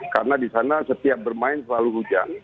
karena di sana setiap bermain selalu hujan